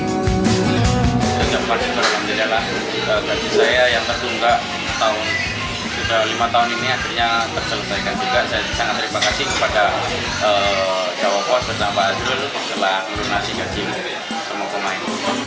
sudah lima tahun ini akhirnya terselesaikan juga saya sangat terima kasih kepada jawab pos dan pak azrul telah melunasi gaji sama pemain